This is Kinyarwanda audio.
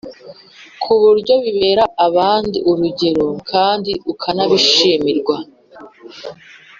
ku buryo bibera abandi urugero kandi ukanabishimirwa.